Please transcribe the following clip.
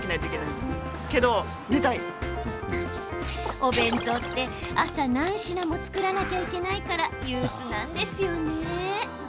お弁当って朝何品も作らなきゃいけないから憂うつなんですよね。